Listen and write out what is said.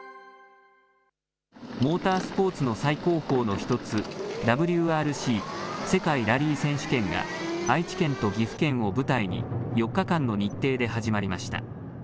モータースポーツの最高峰の１つ、ＷＲＣ・世界ラリー選手権が愛知県と岐阜県を舞台に、４日間の日程で始まりました。